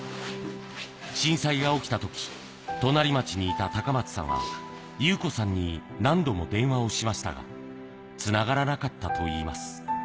震災が起きたとき隣町にいた高松さんは、祐子さんに何度も電話をしましたが繋がらなかったといいます。